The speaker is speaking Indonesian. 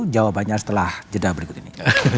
jawabannya setelah jeda berikut ini